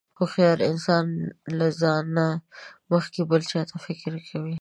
هوښیار انسان له ځان نه مخکې بل چاته فکر کوي.